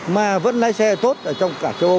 mà vẫn lái xe tốt ở trong cả châu âu